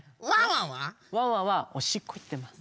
ワンワンはおしっこいってます。